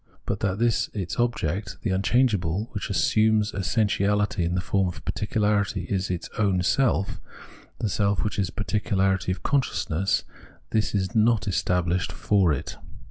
But that this its object, the unchangeable, which assumes essentially the form of particularity, is its own self, the self which is particu larity of consciousness — this is not established for it.